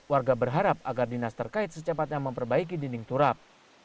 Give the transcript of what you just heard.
warga berharap agar dinas terkait secepatnya memperbaiki dinding turap